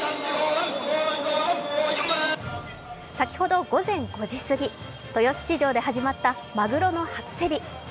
先ほど午前５時過ぎ、豊洲市場で始まったまぐろの初競り。